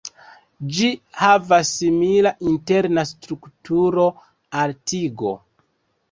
Ĝi havas simila interna strukturo al tigo.